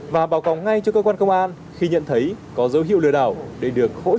và báo cáo ngay cho cơ quan công an khi nhận thấy có dấu hiệu lừa đảo để được hỗ trợ